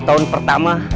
sepuluh tahun pertama